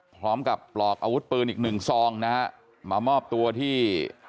พร้อมกับปลอกอาวุธปืนอีก๑ซองนะฮะมามอบตัวที่